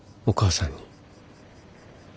お母さんに。